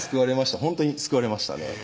ほんとに救われましたね